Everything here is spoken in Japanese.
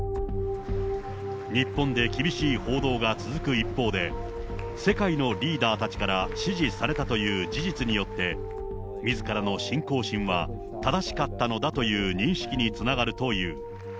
日本で厳しい報道が続く一方で、世界のリーダーたちから支持されたという事実によって、みずからの信仰心は正しかったのだという認識につながるという。